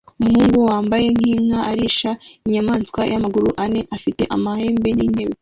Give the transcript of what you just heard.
Umuhungu wambaye nkinka arisha inyamanswa yamaguru ane ifite amahembe nintebe